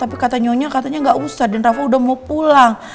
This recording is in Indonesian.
tapi kata nyonya katanya gak usah dan rafa udah mau pulang